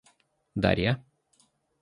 Дарья